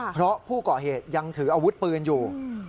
เพราะผู้ก่อเหตุยังถืออาวุธปืนอยู่